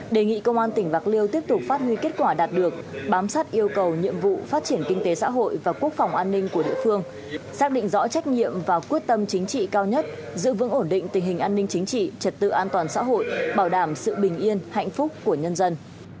đề nghị công an tỉnh bạc liêu tiếp tục phát huy kết quả đạt được bám sát yêu cầu nhiệm vụ phát triển kinh tế xã hội và quốc phòng an ninh của địa phương xác định rõ trách nhiệm và quyết tâm chính trị cao nhất giữ vững ổn định tình hình an ninh chính trị trật tự an toàn xã hội bảo đảm sự bình yên hạnh phúc của nhân dân